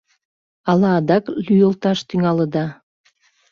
Але адак лӱйылташ тӱҥалыда?